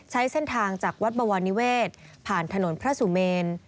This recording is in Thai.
ใช้เส้นทางจากวัดบวรนิเวศผ่านถนนพระสุเมน